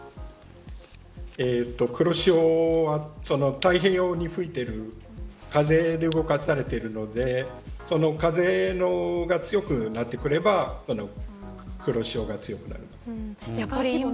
黒潮は太平洋に吹いている風で動かされているのでその風が強くなってくれば黒潮が強くなります。